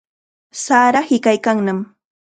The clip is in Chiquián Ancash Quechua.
Sara hiqaykannam.